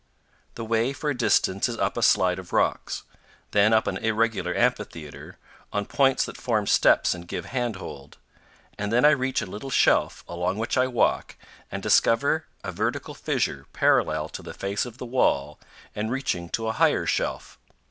The way for a distance is up a slide of rocks; then up an irregular amphitheater, on points that form steps and give handhold; and then I reach a little shelf, along which I walk, and discover a vertical fissure parallel to the face of the wall and reaching to a higher shelf.